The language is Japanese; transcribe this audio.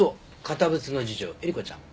堅物の次女えり子ちゃん。